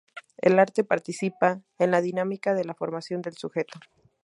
El arte participa en la dinámica de la formación del sujeto.